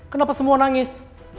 kenapa semua nangis